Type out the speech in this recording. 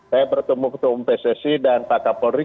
saya bertemu ketua umpssi dan pak kapolri